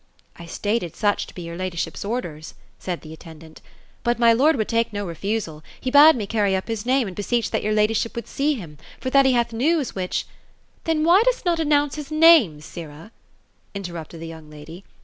^ I stated such to be your ladyship's orders ;" said the attendant ;*^ but my lord would take no refusal ; he bade me carry up his name, and beseech that your ladyship would see him, for that he hath news which "^' Then why dost not announce his name, sirrah ?" interrupted the young lady.